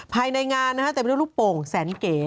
ภายในงานนะครับแต่มีรูปโป่งแสนเก